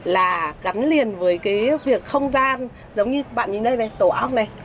là gắn liền với cái việc không gian giống như bạn nhìn đây này tổ ong này